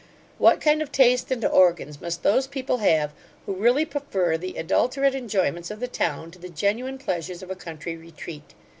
What kind of taste and organs must those people have, who really prefer the adulterate enjoyments of the town to the genuine pleasures of a country retreat?